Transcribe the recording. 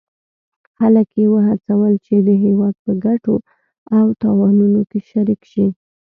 خلک یې وهڅول چې د هیواد په ګټو او تاوانونو کې شریک شي.